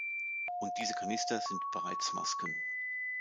Und diese Kanister sind bereits Masken.